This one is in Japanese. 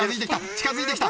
近づいてきた！